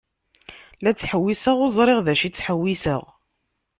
La ttḥewwiseɣ ur ẓriɣ d acu i ttḥewwiseɣ.